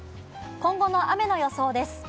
今後の雨の予想です。